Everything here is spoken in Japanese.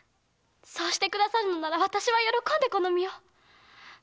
そうしてくださるのなら私は喜んでこの身を！